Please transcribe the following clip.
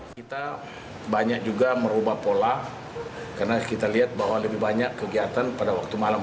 kita banyak juga merubah pola karena kita lihat bahwa lebih banyak kegiatan pada waktu malam